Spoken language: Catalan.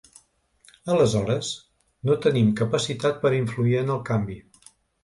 Aleshores, no tenim capacitat per influir en el canvi.